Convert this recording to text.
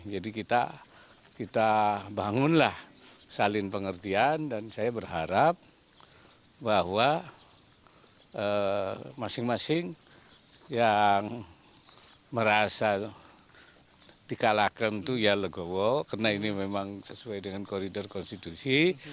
jadi kita bangunlah salin pengertian dan saya berharap bahwa masing masing yang merasa dikalahkan itu ya legowo karena ini memang sesuai dengan koridor konstitusi